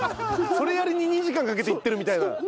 それやりに２時間かけて行ってるみたいな。